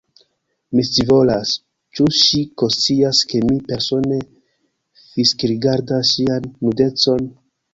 Mi scivolas: ĉu ŝi konscias, ke mi, persone, fiksrigardas ŝian nudecon?